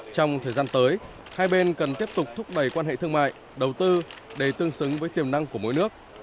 trong thời gian tới hai bên cần tiếp tục thúc đẩy quan hệ thương mại đầu tư để tương xứng với tiềm năng của mỗi nước